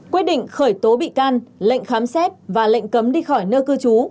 quyết định khởi tố bị can lệnh khám xét và lệnh cấm đi khỏi nơi cư trú